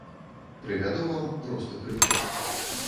Прывяду вам просты прыклад.